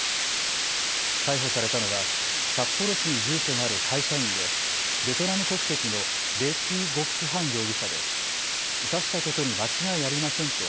逮捕されたのは札幌市に住所がある会社員でベトナム国籍のレ・ティ・ゴック・ハン容疑者で刺したことに間違いありませんと